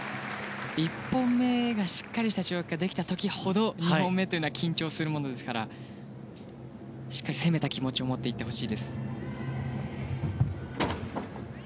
１本目がしっかりした跳躍ができた時ほど２本目というのは緊張しますからしっかり、攻めた気持ちを持って行ってほしいです。